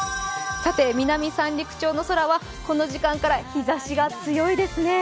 南三陸町の空はこの時間から日ざしが強いですね。